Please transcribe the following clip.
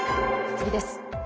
次です。